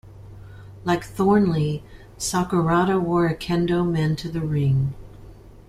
Like Thornley, Sakurada wore a Kendo men to the ring.